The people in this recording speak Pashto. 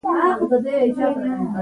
خولۍ د لوړو غرونو خلکو خاصه ده.